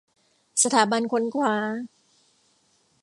สถาบันค้นคว้า